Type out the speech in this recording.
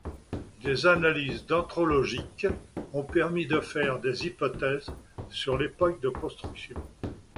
Des analyses dendrologiques ont permis de faire des hypothèses sur l'époque de construction.